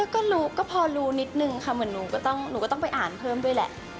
ก็รู้ก็พอรู้นิดนึงค่ะเหมือนหนูก็ต้องไปอ่านเพิ่มด้วยแหละ